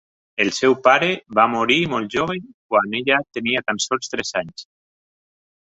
El seu pare va morir molt jove quan ella tenia tan sols tres anys.